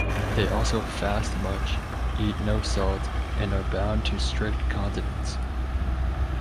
They also fast much, eat no salt, and are bound to strict continence.